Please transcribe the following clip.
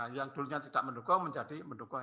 yang dulunya tidak mendukung menjadi mendukung